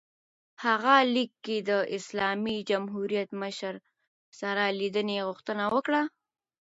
هغه لیک کې د اسلامي جمهوریت مشر سره لیدنې غوښتنه وکړه.